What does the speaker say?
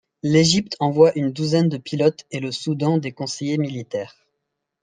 L’Égypte envoie une douzaine de pilotes et le Soudan des conseillers militaires.